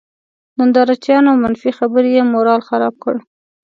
نندارچيانو، منفي خبرې یې مورال خراب کړ.